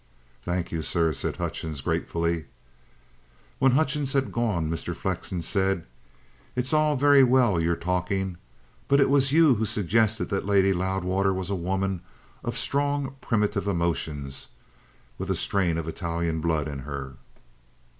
"Thank you, sir," said Hutchings gratefully. When Hutchings had gone, Mr. Flexen said: "It's all very well your talking, but it was you who suggested that Lady Loudwater was a woman of strong primitive emotions with a strain of Italian blood in her."